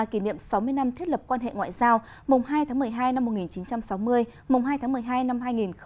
kỷ niệm sáu mươi năm thiết lập quan hệ ngoại giao mùng hai tháng một mươi hai năm một nghìn chín trăm sáu mươi mùng hai tháng một mươi hai năm hai nghìn hai mươi